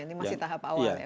iya ini masih tahap awal